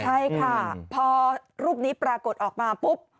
ใช่ค่ะพอรูปนี้ปรากฏออกมาปุ๊บ